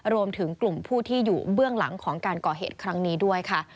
รวมถึงกลุ่มผู้ที่อยู่เบื้องหลังของการก่อเหตุครั้งนี้ด้วยค่ะ